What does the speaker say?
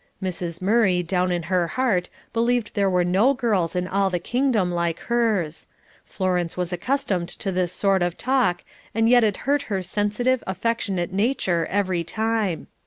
Mrs. Murray, down in her heart, believed there were no girls in all the kingdom like hers. Florence was accustomed to this sort of talk, and yet it hurt her sensitive, affectionate nature every time.